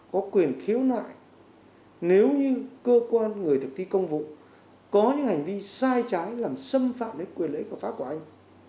có quyền khiếu nại nếu như cơ quan người thực thi công vụ có những hành vi sai trái làm xâm phạm đến quyền lợi ích hợp pháp của anh